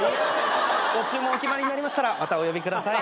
ご注文お決まりになりましたらまたお呼びください。